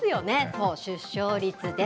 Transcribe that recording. そう、出生率です。